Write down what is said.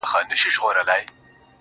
خو په ځینو ځینو نه پوهیږي